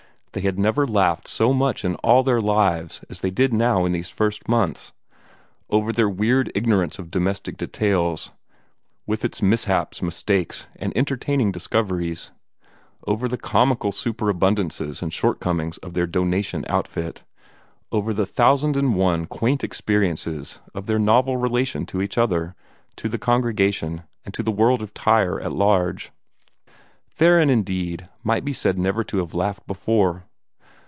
They had never laughed so much in all their lives as they did now in these first months over their weird ignorance of domestic details; with its mishaps, mistakes, and entertaining discoveries; over the comical super abundances and shortcomings of their "donation" outfit; over the thousand and one quaint experiences of their novel relation to each other, to the congregation, and to the world of Tyre at large. Theron, indeed, might be said never to have laughed before.